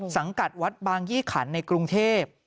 สังกัดวัดบางยี่ขันในกรุงเทพ